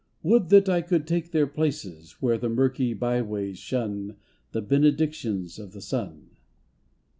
Would that I could take their places Where the murky bye ways shun The benedictions of the sun.